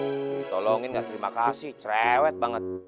ditolongin gak terima kasih cerewet banget